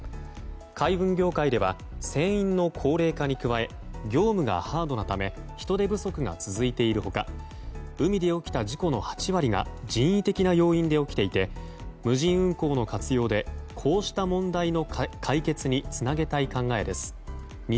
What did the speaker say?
海運業界では船員の高齢化に加え業務がハードなため人手不足が続いている他海で起きた事故の８割が人為的な要因で起きていて無人運航の活用でこうした問題の解決につなげたい考えです。